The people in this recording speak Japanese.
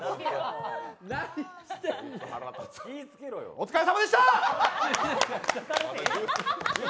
お疲れ様でした！